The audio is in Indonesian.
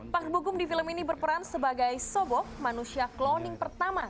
parbogung di film ini berperan sebagai sobok manusia kloning pertama